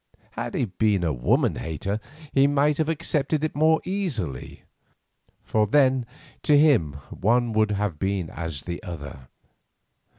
Had he been a woman hater, he might have accepted it more easily, for then to him one would have been as the other.